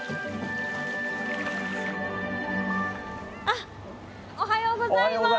あおはようございます。